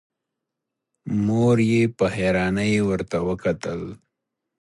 مور يې په حيرانی ورته وکتل.